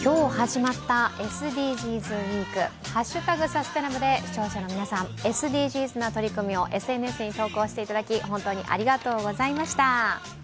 「＃サステナ部」で視聴者の皆さん、ＳＤＧｓな取り組みをＳＮＳに投稿していただき、本当にありがとうございました。